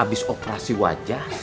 abis operasi wajah